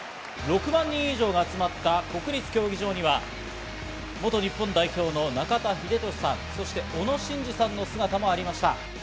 ６万人以上が集まった国立競技場には元日本代表の中田英寿さん、そして小野伸二さんの姿もありました。